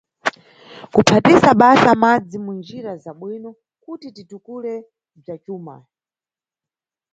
Kuphatisa basa madzi munjira za bwino kuti titukule bza cuma.